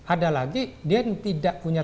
ada lagi dia yang tidak punya